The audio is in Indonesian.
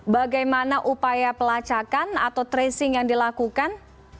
bagaimana upaya pelacakan atau tracing yang dilakukan